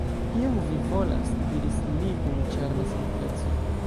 «Kion vi volas? » diris li kun ĉarma simpleco.